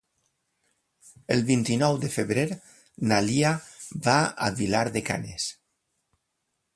El vint-i-nou de febrer na Lia va a Vilar de Canes.